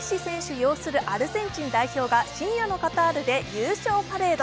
擁するアルゼンチン代表が深夜のカタールで優勝パレード。